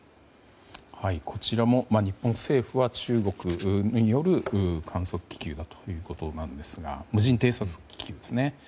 こちらも日本政府は中国による観測気球だということなんですが無人偵察気球ですね。